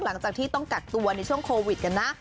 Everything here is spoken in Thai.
หลังจากที่ต้องกักตัวในช่วงโควิดกันนะ